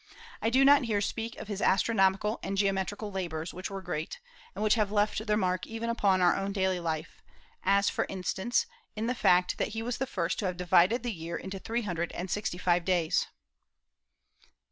I do not here speak of his astronomical and geometrical labors, which were great, and which have left their mark even upon our own daily life, as, for instance, in the fact that he was the first to have divided the year into three hundred and sixty five days.